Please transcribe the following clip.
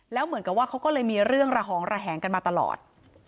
แล้วเหมือนกับว่าเขาก็เลยมีเรื่องระหองระแหงกันมาตลอด